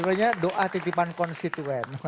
sekiranya doa titipan konstituen